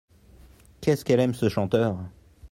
Qu'est-ce qu'elle aime ce chanteur !